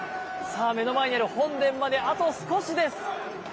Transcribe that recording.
目の前にある本殿まであと少しです。